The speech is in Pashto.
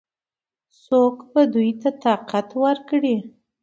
څوک به دوی ته قناعت ورکړي؟